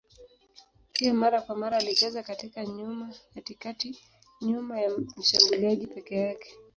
Pia mara kwa mara alicheza katikati nyuma ya mshambuliaji peke yake.